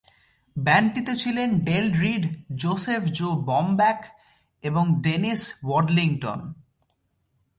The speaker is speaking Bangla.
ব্যান্ডটিতে ছিলেন Dale Reid, Joseph "Joe" Bomback এবং ডেনিস ওয়াডলিংটন।